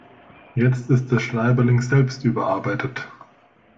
Jetzt ist der Schreiberling selbst überarbeitet.